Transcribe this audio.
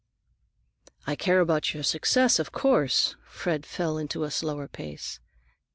"I care about your success, of course." Fred fell into a slower pace.